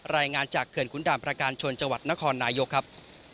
รายงานจากเขื่อนขุนด่านประการชนจังหวัดนครนายกครับ